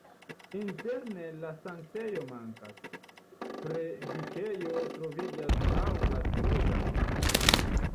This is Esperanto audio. Interne la sanktejo mankas, predikejo troviĝas laŭ la suda muro.